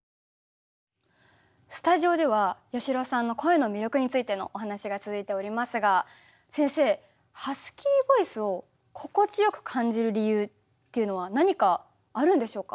スタジオでは八代さんの声の魅力についてのお話が続いておりますが先生ハスキーボイスを心地よく感じる理由っていうのは何かあるんでしょうか？